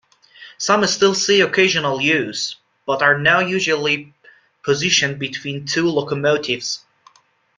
Some still see occasional use, but are now usually positioned between two locomotives.